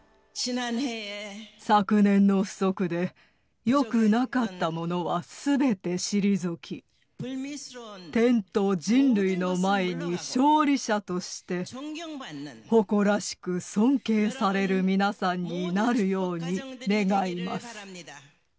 昨年の不足で、よくなかったものはすべて退き、天と人類の前に勝利者として、誇らしく尊敬される皆さんになるように願います。